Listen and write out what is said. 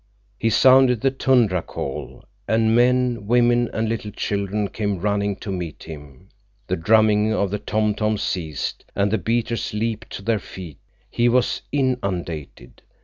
He sounded the tundra call, and men, women, and little children came running to meet him. The drumming of the tom toms ceased, and the beaters leaped to their feet. He was inundated.